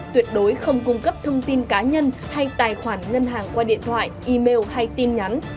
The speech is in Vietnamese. tuyệt đối không cung cấp thông tin cá nhân hay tài khoản ngân hàng qua điện thoại email hay tin nhắn